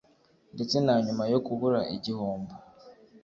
ndetse na nyuma yo kubura igihombo.